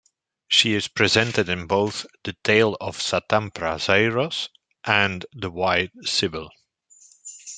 She is presented in both "The Tale of Satampra Zeiros" and "The White Sybil.